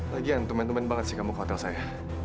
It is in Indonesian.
lagian teman teman banget sih kamu ke hotel saya